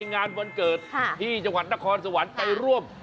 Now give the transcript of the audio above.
งานวันเกิดที่จังหวัดนครสวรรค์ไปร่วม